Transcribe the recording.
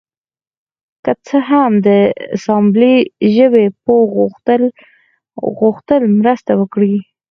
که څه هم د اسامبلۍ ژبې پوه غوښتل مرسته وکړي